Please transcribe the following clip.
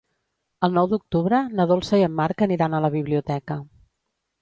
El nou d'octubre na Dolça i en Marc aniran a la biblioteca.